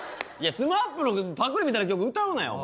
ＳＭＡＰのパクリみたいな曲歌うなよお前。